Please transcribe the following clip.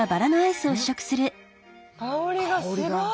香りがすごい！